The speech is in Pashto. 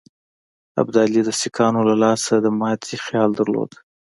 ابدالي د سیکهانو له لاسه د ماتي خیال درلود.